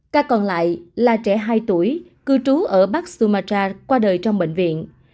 ca còn lại là trẻ hai tuổi cư trú ở bắc sumatra qua đời trong bệnh viện